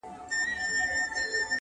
چی له ظلمه تښتېدلی د انسان وم -